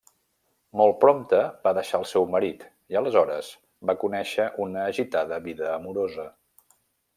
Molt prompte, va deixar el seu marit i aleshores va conèixer una agitada vida amorosa.